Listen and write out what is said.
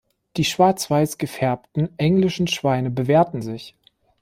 Die schwarz-weiß gefärbten englischen Schweine bewährten sich.